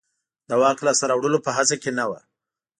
د واک لاسته راوړلو په هڅه کې نه و.